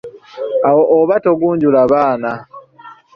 Awo oba togunjula baana.